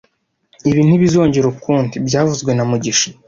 Ibi ntibizongera ukundi byavuzwe na mugisha